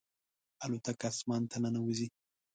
الوتکه اسمان ته ننوځي.